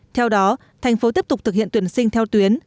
theo đó thành phố tiếp tục thực hiện tuyển sinh theo tuyến